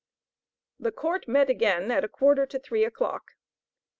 The court met again at a quarter to three o'clock.